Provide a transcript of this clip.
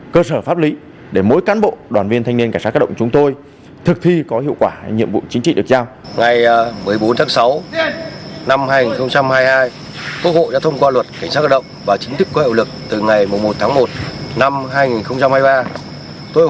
cơ sở pháp lý để mỗi cán bộ đoàn viên thanh niên cảnh sát cơ động chúng tôi thực thi có hiệu quả nhiệm vụ chính trị được giao